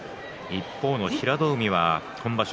一方の平戸海は今場所